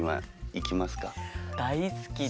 大好きで。